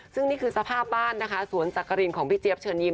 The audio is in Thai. ซึ่งนี่คือสภาพบ้านนะคะสวนสักกรินของพี่เจี๊ยบเชิญยิ้